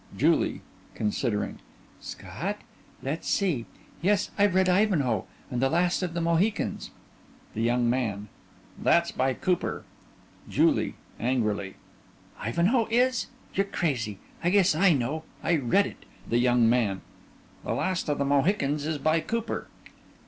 JULIE: (Considering) Scott? Let's see. Yes, I've read "Ivanhoe" and "The Last of the Mohicans." THE YOUNG MAN: That's by Cooper. JULIE: (Angrily) "Ivanhoe" is? You're crazy! I guess I know. I read it. THE YOUNG MAN: "The Last of the Mohicans" is by Cooper.